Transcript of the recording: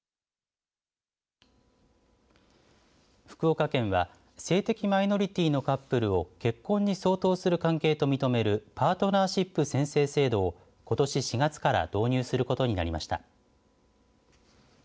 福岡県は、性的マイノリティーのカップルなどを結婚に相当する関係と認めるパートナーシップ宣誓制度をことし４月から導入することに決めました。